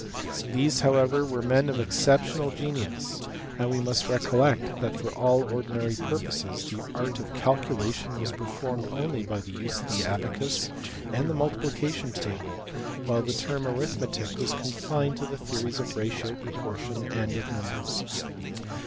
These however were men of exceptional genius, and we must recollect that for all ordinary purposes the art of calcu lation was performed only by the use of the abacus and the multiplication table, while the term arithmetic was confined to the theories of ratio, proportion, and of numbers (see above, p.